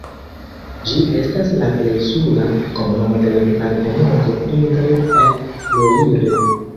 Ĝi estas la plej suda komunumo de la departemento Indre-et-Loire.